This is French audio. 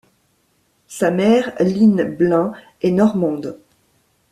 Sa mère Line Blin est normande.